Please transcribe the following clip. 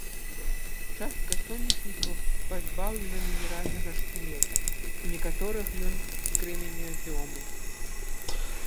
Частка сонечнікаў пазбаўлена мінеральнага шкілета, у некаторых ён з крэменязёму.